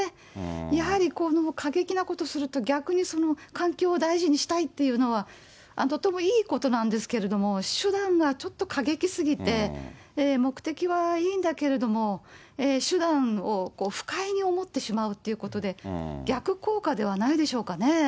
やはりこの過激なことをすると、逆に環境を大事にしたいっていうのは、とてもいいことなんですけれども、手段がちょっと過激すぎて、目的はいいんだけれども、手段を不快に思ってしまうってことで、逆効果ではないでしょうか